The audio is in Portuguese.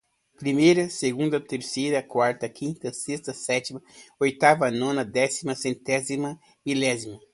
primeira, segunda, terceira, quarta, quinta, sexta, sétima, oitava, nona, décima, centésima, milésima.